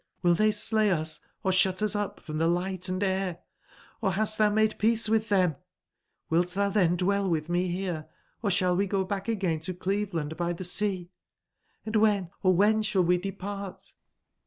(Hill they slay us, or shut us up from the light and air? Or hast thou made peace with them? CQilt thou then dwell with me here, or shall we go bach again to Cleveland by the Sea? Hnd when, oh, when shall we depart?"